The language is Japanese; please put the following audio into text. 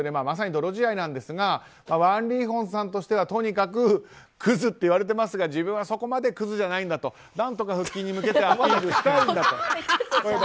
まさに泥仕合なんですがワン・リーホンさんとしてはとにかくクズって言われていますが自分はそこまでクズじゃないと何とか復帰に向けてアピールしたいんだと。